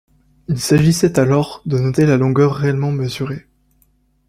Il s’agissait alors de noter la longueur réellement mesurée.